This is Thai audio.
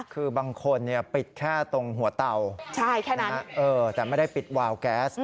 คือบางคนปิดแค่ตรงหัวเตาแค่นั้นแต่ไม่ได้ปิดวาวแก๊ส